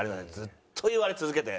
ずっと言われ続けて。